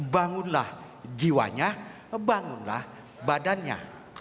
bangunlah jiwanya bangunlah badannya